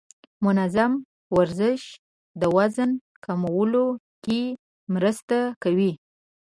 منظم ورزش د وزن کمولو کې مرسته کوي.